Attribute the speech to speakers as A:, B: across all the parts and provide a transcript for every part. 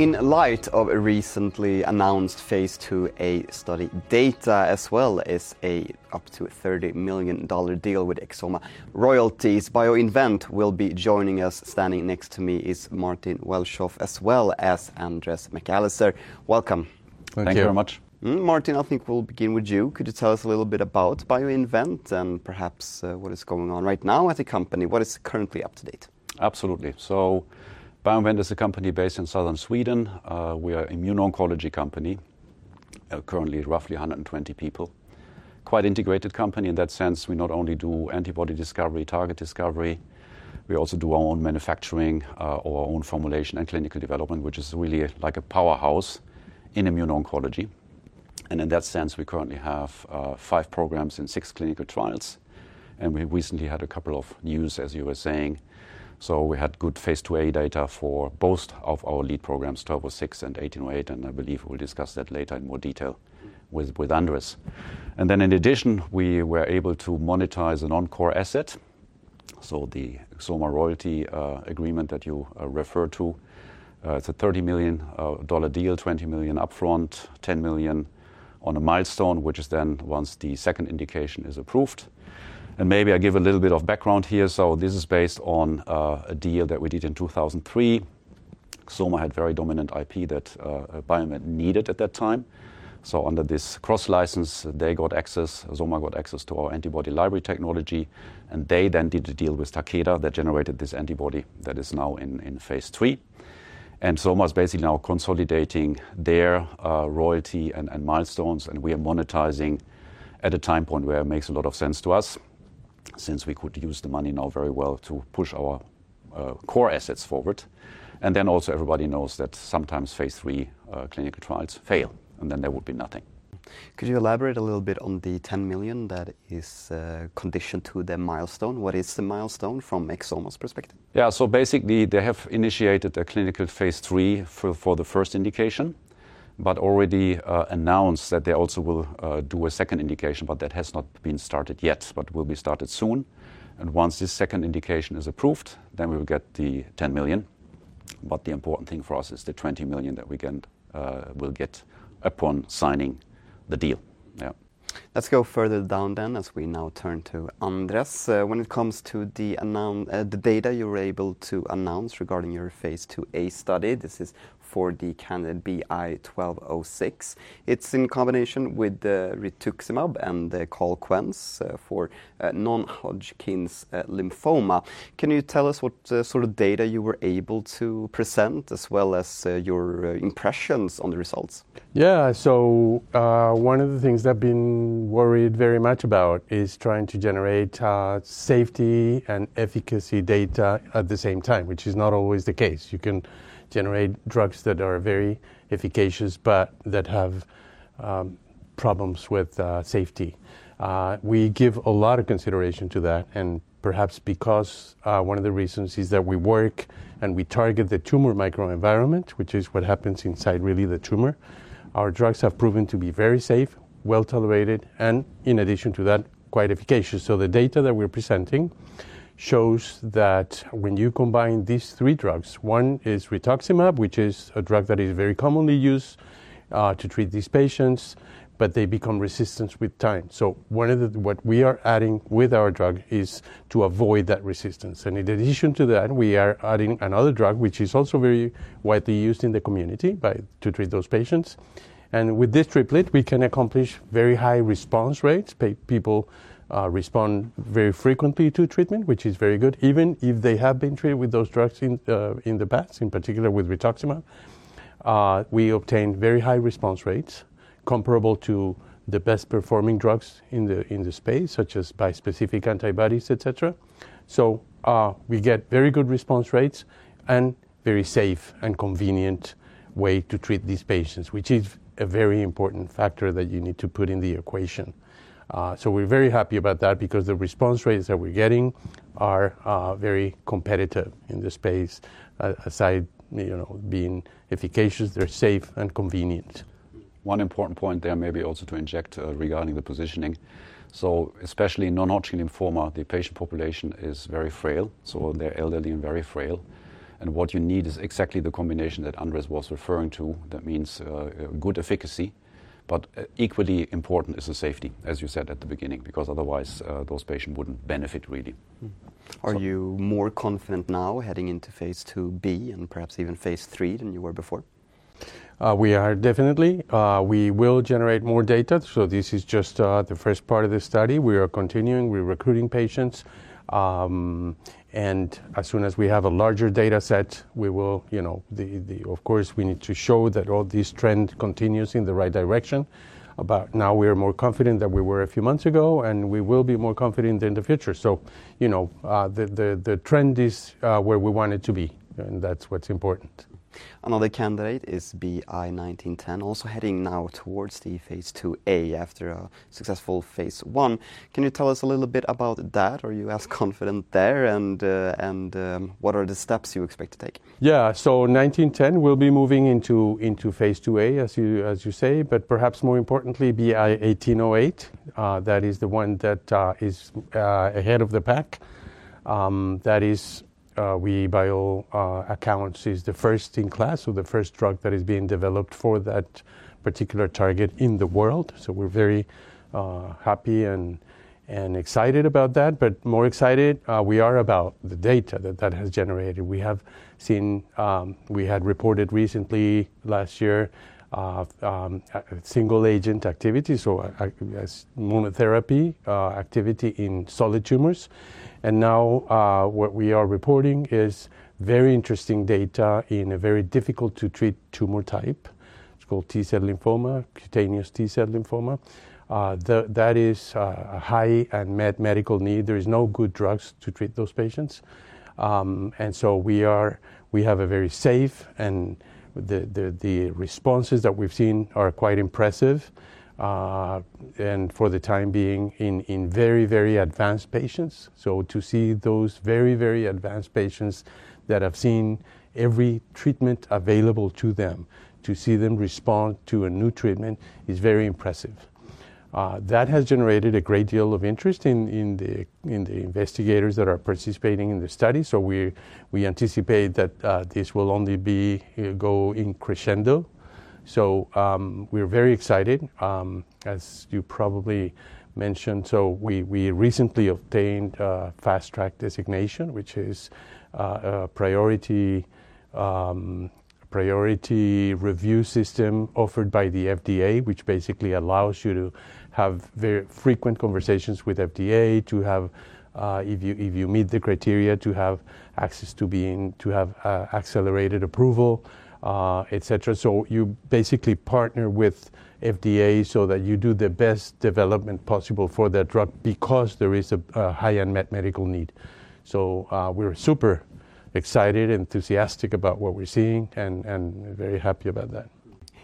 A: In light of a recently announced phase 2a study, data as well as an up to SEK 30 million deal with Exoma Royalties, BioInvent will be joining us. Standing next to me is Martin Welschof, as well as Andres McAllister. Welcome.
B: Thank you very much.
A: Martin, I think we'll begin with you. Could you tell us a little bit about BioInvent and perhaps what is going on right now at the company? What is currently up to date?
B: Absolutely. BioInvent is a company based in southern Sweden. We are an immune oncology company, currently roughly 120 people. Quite an integrated company in that sense. We not only do antibody discovery, target discovery, we also do our own manufacturing, our own formulation, and clinical development, which is really like a powerhouse in immune oncology. In that sense, we currently have five programs and six clinical trials. We recently had a couple of news, as you were saying. We had good phase 2a data for both of our lead programs, BI-1206 and BI-1808. I believe we'll discuss that later in more detail with Andres. In addition, we were able to monetize an encore asset. The Exoma Royalties agreement that you referred to, it's a SEK 30 million deal, 20 million upfront, 10 million on a milestone, which is then once the second indication is approved. Maybe I'll give a little bit of background here. This is based on a deal that we did in 2003. Exoma had very dominant IP that BioInvent needed at that time. Under this cross-license, they got access, Exoma got access to our antibody library technology. They then did a deal with Takeda that generated this antibody that is now in phase 3. Exoma is basically now consolidating their royalty and milestones. We are monetizing at a time point where it makes a lot of sense to us, since we could use the money now very well to push our core assets forward. Everybody knows that sometimes phase 3 clinical trials fail, and then there would be nothing.
A: Could you elaborate a little bit on the 10 million that is conditioned to the milestone? What is the milestone from Exoma's perspective?
B: Yeah, so basically, they have initiated a clinical phase 3 for the first indication, but already announced that they also will do a second indication. That has not been started yet, but will be started soon. Once this second indication is approved, then we will get the 10 million. The important thing for us is the 20 million that we will get upon signing the deal. Yeah.
A: Let's go further down then, as we now turn to Andres. When it comes to the data you were able to announce regarding your phase 2a study, this is for the candidate BI-1206. It's in combination with Rituximab and Calquence for non-Hodgkin's lymphoma. Can you tell us what sort of data you were able to present, as well as your impressions on the results?
C: Yeah, so one of the things I've been worried very much about is trying to generate safety and efficacy data at the same time, which is not always the case. You can generate drugs that are very efficacious, but that have problems with safety. We give a lot of consideration to that. Perhaps because one of the reasons is that we work and we target the tumor microenvironment, which is what happens inside really the tumor, our drugs have proven to be very safe, well tolerated, and in addition to that, quite efficacious. The data that we're presenting shows that when you combine these three drugs, one is Rituximab, which is a drug that is very commonly used to treat these patients, but they become resistant with time. One of the things we are adding with our drug is to avoid that resistance. In addition to that, we are adding another drug, which is also very widely used in the community to treat those patients. With this triplet, we can accomplish very high response rates. People respond very frequently to treatment, which is very good, even if they have been treated with those drugs in the past, in particular with Rituximab. We obtain very high response rates, comparable to the best-performing drugs in the space, such as bispecific antibodies, et cetera. We get very good response rates and a very safe and convenient way to treat these patients, which is a very important factor that you need to put in the equation. We are very happy about that because the response rates that we are getting are very competitive in this space. Aside from being efficacious, they are safe and convenient.
B: One important point there maybe also to inject regarding the positioning. Especially non-Hodgkin's lymphoma, the patient population is very frail. They're elderly and very frail. What you need is exactly the combination that Andres was referring to. That means good efficacy. Equally important is the safety, as you said at the beginning, because otherwise those patients wouldn't benefit really.
A: Are you more confident now heading into phase 2b and perhaps even phase 3 than you were before?
C: We are definitely. We will generate more data. This is just the first part of the study. We are continuing. We're recruiting patients. As soon as we have a larger data set, we will, of course, we need to show that all these trends continue in the right direction. Now we are more confident than we were a few months ago, and we will be more confident in the future. The trend is where we want it to be. That's what's important.
A: Another candidate is BI-1910, also heading now towards the phase 2a after a successful phase 1. Can you tell us a little bit about that? Are you as confident there? What are the steps you expect to take?
C: Yeah, so 1910 will be moving into phase 2a, as you say, but perhaps more importantly, BI-1808. That is the one that is ahead of the pack. That is, by all accounts, the first in class or the first drug that is being developed for that particular target in the world. We are very happy and excited about that. More excited we are about the data that that has generated. We have seen, we had reported recently last year, single-agent activity, so monotherapy activity in solid tumors. Now what we are reporting is very interesting data in a very difficult-to-treat tumor type. It is called T-cell lymphoma, cutaneous T-cell lymphoma. That is a high unmet medical need. There are no good drugs to treat those patients. We have a very safe, and the responses that we have seen are quite impressive. For the time being, in very, very advanced patients. To see those very, very advanced patients that have seen every treatment available to them, to see them respond to a new treatment is very impressive. That has generated a great deal of interest in the investigators that are participating in the study. We anticipate that this will only go in crescendo. We are very excited. As you probably mentioned, we recently obtained a Fast Track designation, which is a priority review system offered by the FDA, which basically allows you to have very frequent conversations with the FDA, to have, if you meet the criteria, access to being able to have accelerated approval, et cetera. You basically partner with the FDA so that you do the best development possible for that drug because there is a high unmet medical need. We're super excited, enthusiastic about what we're seeing, and very happy about that.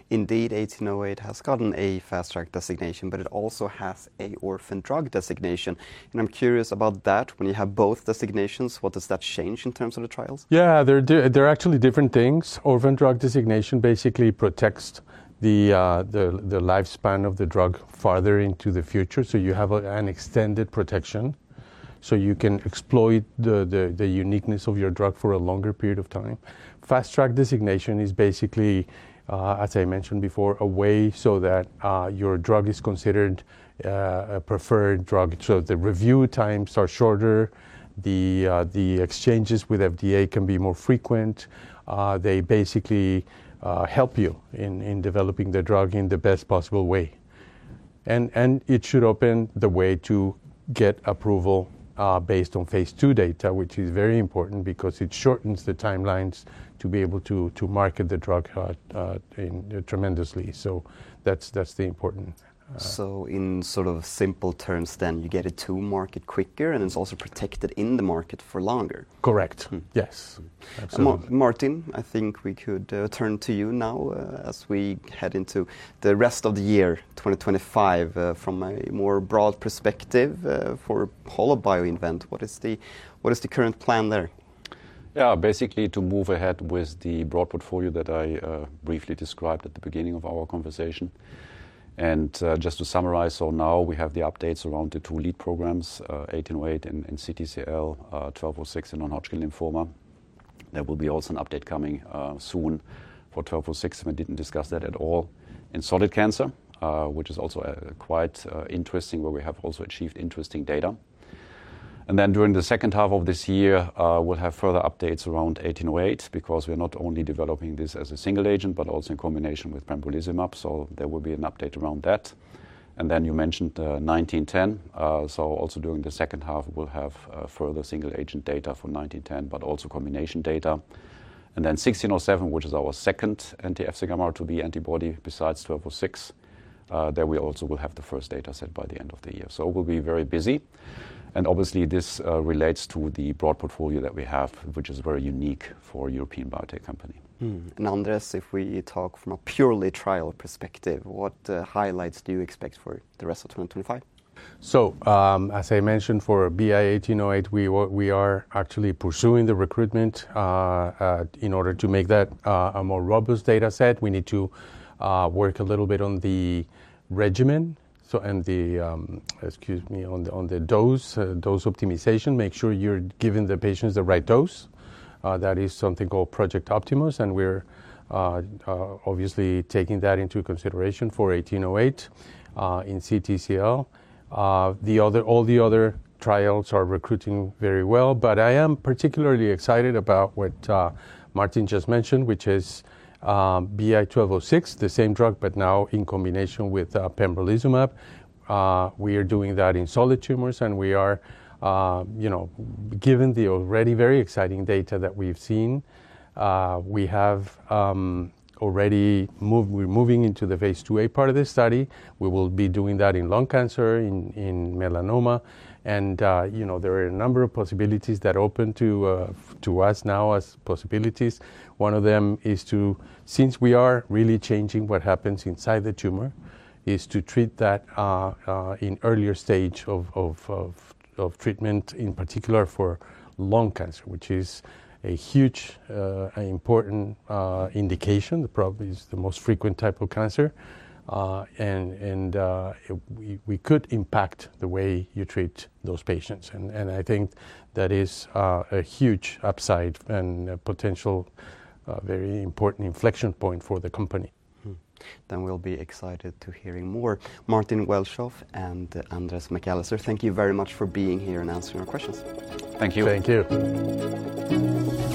A: Indeed, BI-1808 has gotten a Fast Track designation, but it also has an orphan drug designation. I'm curious about that. When you have both designations, what does that change in terms of the trials?
C: Yeah, they're actually different things. Orphan drug designation basically protects the lifespan of the drug farther into the future. You have an extended protection, so you can exploit the uniqueness of your drug for a longer period of time. Fast Track designation is basically, as I mentioned before, a way so that your drug is considered a preferred drug. The review times are shorter. The exchanges with the FDA can be more frequent. They basically help you in developing the drug in the best possible way. It should open the way to get approval based on phase 2 data, which is very important because it shortens the timelines to be able to market the drug tremendously. That's the important.
A: In sort of simple terms, then you get it to market quicker, and it's also protected in the market for longer.
C: Correct. Yes.
A: Martin, I think we could turn to you now as we head into the rest of the year, 2025, from a more broad perspective for all of BioInvent. What is the current plan there?
B: Yeah, basically to move ahead with the broad portfolio that I briefly described at the beginning of our conversation. Just to summarize, now we have the updates around the two lead programs, 1808 and cutaneous T-cell lymphoma, 1206 and non-Hodgkin's lymphoma. There will be also an update coming soon for 1206, and we did not discuss that at all, and solid cancer, which is also quite interesting, where we have also achieved interesting data. During the second half of this year, we will have further updates around 1808 because we are not only developing this as a single agent, but also in combination with pembrolizumab. There will be an update around that. You mentioned 1910. Also during the second half, we will have further single agent data for 1910, but also combination data. BI-1607, which is our second anti-FCγRIIb antibody besides BI-1206, there we also will have the first data set by the end of the year. We will be very busy. Obviously, this relates to the broad portfolio that we have, which is very unique for a European biotech company.
A: And Andres, if we talk from a purely trial perspective, what highlights do you expect for the rest of 2025?
C: As I mentioned, for BI-1808, we are actually pursuing the recruitment in order to make that a more robust data set. We need to work a little bit on the regimen, and the, excuse me, on the dose optimization, make sure you're giving the patients the right dose. That is something called Project Optimus. We're obviously taking that into consideration for BI-1808 in cutaneous T-cell lymphoma. All the other trials are recruiting very well. I am particularly excited about what Martin just mentioned, which is BI-1206, the same drug, but now in combination with pembrolizumab. We are doing that in solid tumors. Given the already very exciting data that we've seen, we have already moved, we're moving into the phase 2a part of the study. We will be doing that in lung cancer, in melanoma. There are a number of possibilities that open to us now as possibilities. One of them is to, since we are really changing what happens inside the tumor, treat that in earlier stage of treatment, in particular for lung cancer, which is a huge, important indication. The problem is the most frequent type of cancer. We could impact the way you treat those patients. I think that is a huge upside and potential, very important inflection point for the company.
A: We will be excited to hear more. Martin Welschof and Andres McAllister, thank you very much for being here and answering our questions.
B: Thank you.
C: Thank you.